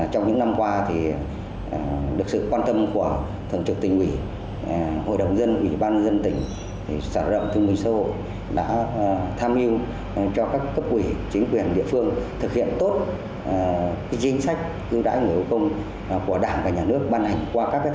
trong những năm qua được sự quan tâm của thần trực tỉnh ủy hội đồng dân ủy ban dân tỉnh xã rộng thương binh xã hội đã tham dự cho các cấp ủy chính quyền địa phương thực hiện tốt chính sách ưu đãi người có công của đảng và nhà nước ban hành qua các thời kỳ